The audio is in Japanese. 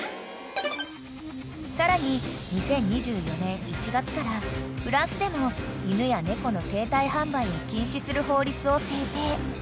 ［さらに２０２４年１月からフランスでも犬や猫の生体販売を禁止する法律を制定］